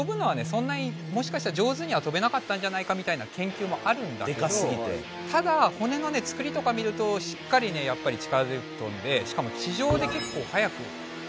そんなに上手には飛べなかったんじゃないかみたいな研究もあるんだけどただ骨のねつくりとか見るとしっかりねやっぱり力強く飛んでしかもいやこわっ。